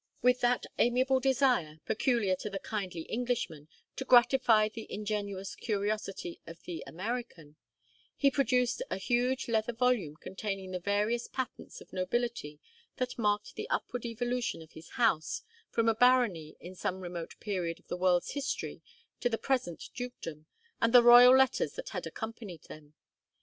With that amiable desire, peculiar to the kindly Englishman, to gratify the ingenuous curiosity of the American, he produced a huge leather volume containing the various patents of nobility that marked the upward evolution of his house from a barony in some remote period of the world's history to the present dukedom, and the royal letters that had accompanied them.